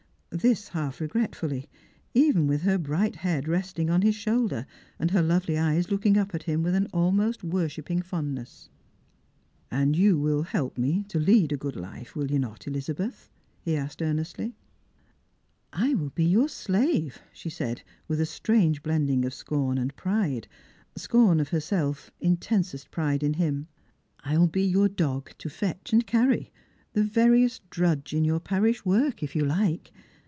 This half regretfully, even with her bright head resting on his shoulder, her lovely eyes looking up at him with an almost worshipping fondness. " And you will help me to lead a good life, will you not, Elizabeth ?" he asked earnestly. ' I will be your slave," she said, with a strange blending of scorn and pride — scorn of herself, intensest pride in him. " I r/ill be your dog, to fetch and carry; the veriest drudge in your parish work, if you hke.